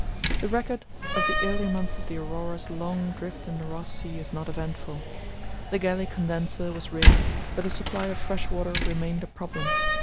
The record of the early months of the Aurora's long drift in the Ross Sea is not eventful. The galley condenser was rigged, but the supply of fresh water remained a problem.